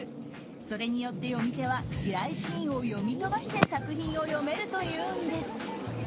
それによって読み手は地雷シーンを読み飛ばして作品を読めるというんです。